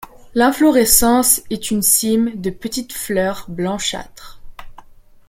L'inflorescence est une cyme de petites fleurs blanchâtres.